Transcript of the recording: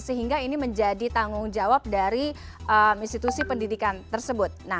sehingga ini menjadi tanggung jawab dari institusi pendidikan tersebut